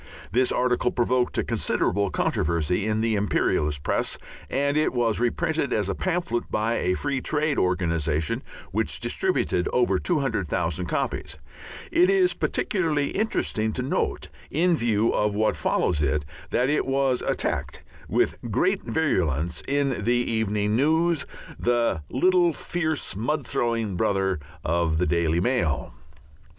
This article provoked a considerable controversy in the imperialist press, and it was reprinted as a pamphlet by a Free Trade organization, which distributed over 200,000 copies. It is particularly interesting to note, in view of what follows it, that it was attacked with great virulence in the Evening News, the little fierce mud throwing brother of the Daily Mail.